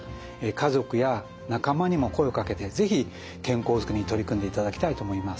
家族や仲間にも声をかけて是非健康づくりに取り組んでいただきたいと思います。